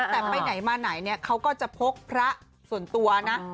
แต่ไปไหนมาไหนเนี่ยเขาก็จะพกพระส่วนตัวนะ